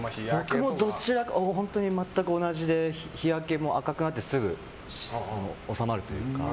僕も本当に全く同じで日焼けも、赤くなってすぐに収まるというか。